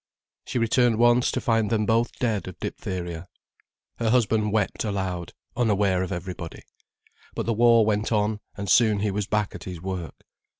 She returned once to find them both dead of diphtheria. Her husband wept aloud, unaware of everybody. But the war went on, and soon he was back at his work.